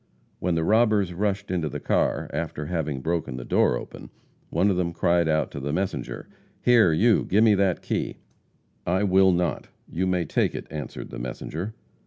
When the robbers rushed into the car, after having broken the door open, one of them cried out to the messenger: "Here, you! Give me that key!" "I will not. You may take it," answered the messenger.